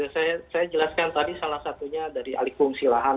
saya jelaskan tadi salah satunya dari alikungsi lahan